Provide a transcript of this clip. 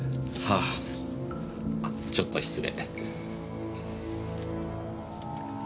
あっちょっと失礼。